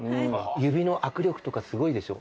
指の握力とかすごいでしょ？